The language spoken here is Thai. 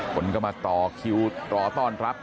คนก็มาต่อคิวรอต้อนรับ